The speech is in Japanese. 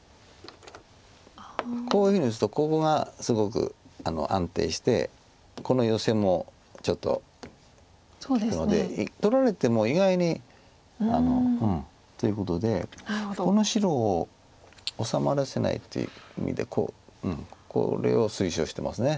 こういうふうに打つとここがすごく安定してこのヨセもちょっと利くので取られても意外にということでこの白を治まらせないという意味でこれを推奨してます。